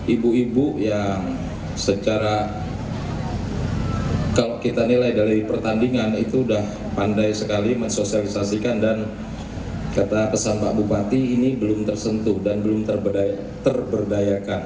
ibu ibu yang secara kalau kita nilai dari pertandingan itu sudah pandai sekali mensosialisasikan dan kata kesan pak bupati ini belum tersentuh dan belum terberdayakan